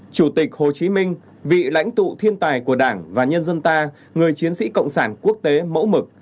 chủ tịch hồ chí minh vị lãnh tụ thiên tài của đảng và nhân dân ta người chiến sĩ cộng sản quốc tế mẫu mực